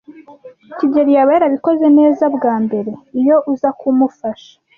kigeli yaba yarabikoze neza bwa mbere iyo uza kumufasha.